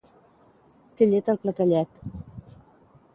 Té llet al clatellet.